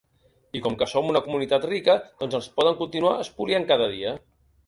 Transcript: I com que som una comunitat rica doncs ens poden continuar espoliant cada dia.